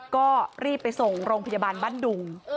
ก็รีบไปส่งโรงพยาบาลบ้านดุง